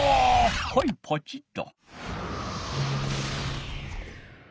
はいポチッと。